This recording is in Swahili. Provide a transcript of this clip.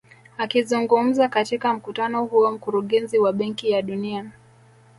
Akizungumza katika mkutano huo mkurugenzi wa benki ya dunia